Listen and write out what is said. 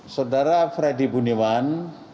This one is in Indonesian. saudara freddy budiman